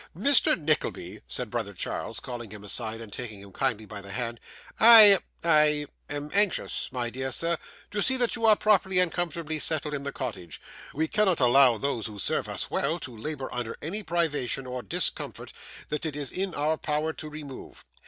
'Mr. Nickleby,' said brother Charles, calling him aside, and taking him kindly by the hand, 'I I am anxious, my dear sir, to see that you are properly and comfortably settled in the cottage. We cannot allow those who serve us well to labour under any privation or discomfort that it is in our power to remove.